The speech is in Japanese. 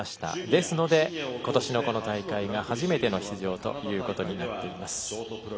ですので、今年のこの大会が初めての出場となっています。